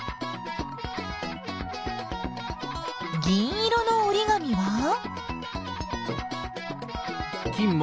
銀色のおりがみは？